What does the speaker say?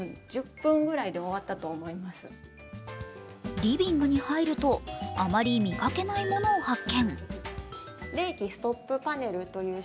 リビングに入るとあまり見かけないものを発見。